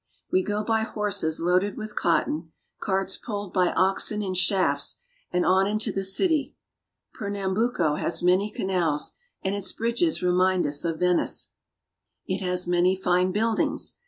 We go by horses loaded with cot ton, carts pulled by oxen in shafts, and on into the city. Pernambuco has many canals, and its bridges remind us of Venice. It has many fine buildings.